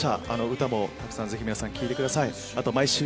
歌もたくさんぜひ皆さん聴いてください。